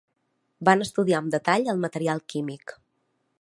Van estudiar amb detall el material químic.